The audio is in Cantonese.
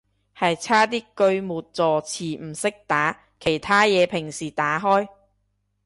係差啲句末助詞唔識打，其他嘢平時打開